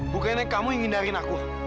bukannya kamu yang ngindarin aku